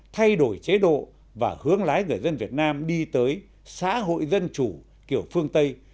thay đổi chế độ và hướng lái người dân việt nam đi tới xã hội dân chủ kiểu phương tây